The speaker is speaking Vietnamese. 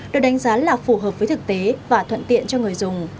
được đánh giá là phù hợp với thực tế và thuận tiện cho người dùng